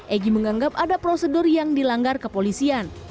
egy menganggap ada prosedur yang dilanggar kepolisian